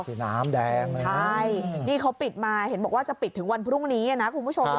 คือน้ำแดงเลยใช่นี่เขาปิดมาเห็นบอกว่าจะปิดถึงวันพรุ่งนี้นะคุณผู้ชม